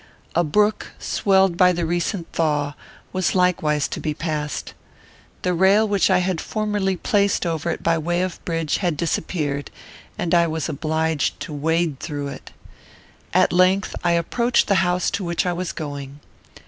A brook, swelled by the recent thaw, was likewise to be passed. The rail which I had formerly placed over it by way of bridge had disappeared, and I was obliged to wade through it. At length I approached the house to which I was going.